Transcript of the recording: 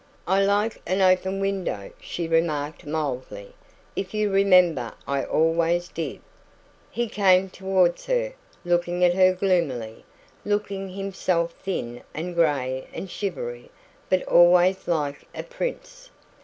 "I like an open window," she remarked mildly. "If you remember, I always did." He came towards her, looking at her gloomily, looking himself thin and grey and shivery but always like a prince.